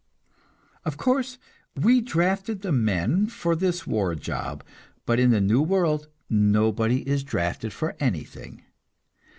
Of course, we drafted the men for this war job; but in the new world nobody is drafted for anything.